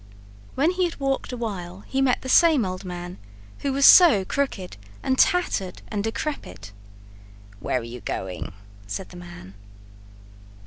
When he had walked a while he met the same old man, who was so crooked and tattered and decrepit. "Where are you going?" said the man.